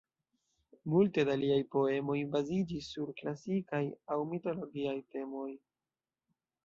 Multe da liaj poemoj baziĝis sur klasikaj aŭ mitologiaj temoj.